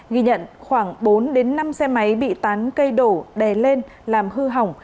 ghi nhận khoảng bốn năm xe máy bị tán cây đổ đè lên làm hư hỏng